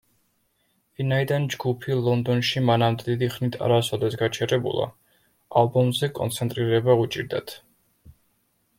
ვინაიდან ჯგუფი ლონდონში მანამდე დიდი ხნით არასოდეს გაჩერებულა, ალბომზე კონცენტრირება უჭირდათ.